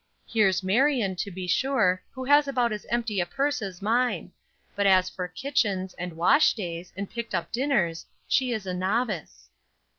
Here's Marion, to be sure, who has about as empty a purse as mine; but as for kitchens, and wash days, and picked up dinners, she is a novice."